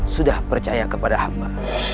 sudah percaya kepada hamba